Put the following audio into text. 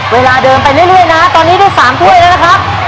เวลาเดินไปเรื่อยนะตอนนี้ได้๓ถ้วยแล้วนะครับ